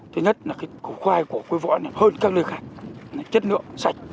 thứ nhất là cái khoai của quế võ này hơn các nơi khác chất lượng sạch